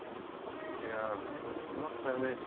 いや困ったよね。